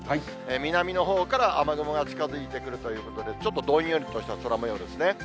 南のほうから雨雲が近づいてくるということで、ちょっとどんよりとした空もようですね。